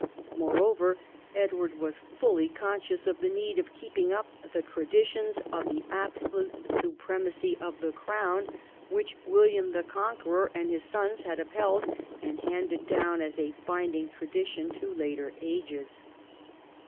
Moreover, Edward was fully conscious of the need of keeping up the traditions of the absolute supremacy of the Crown, which William the Conqueror and his sons had upheld and handed down as a binding tradition to later ages.